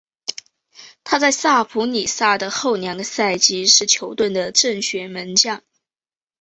他在萨普里萨的后两个赛季是球队的正选门将。